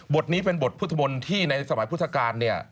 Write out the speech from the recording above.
นี้เป็นบทพุทธมนต์ที่ในสมัยพุทธกาลเนี่ย